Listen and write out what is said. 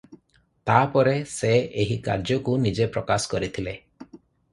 ତା'ପରେ ସେ ଏହି କାର୍ଯ୍ୟକୁ ନିଜେ ପ୍ରକାଶ କରିଥିଲେ ।